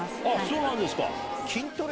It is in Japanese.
そうなんですか。